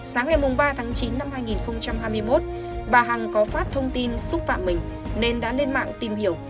sáng ngày ba tháng chín năm hai nghìn hai mươi một bà hằng có phát thông tin xúc phạm mình nên đã lên mạng tìm hiểu